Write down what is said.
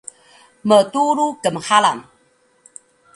mtrul kmxalan